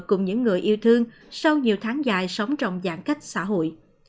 cùng những người yêu thương sau nhiều tháng dài sống trong giãn cách xã hội